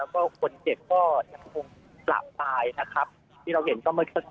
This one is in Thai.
พี่เห็นนะต้องกลับเลยนะครับหลักก็เห็นตอนนี้ทั้งคน